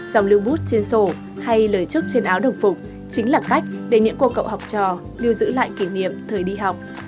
dòng lưu bút trên sổ hay lời chúc trên áo đồng phục chính là cách để những cô cậu học trò lưu giữ lại kỷ niệm thời đi học